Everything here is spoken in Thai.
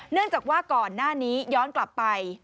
เนื่องจากว่าก่อนหน้านี้ย้อนกลับไป